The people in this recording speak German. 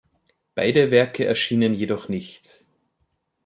Beide Werke erschienen jedoch nicht.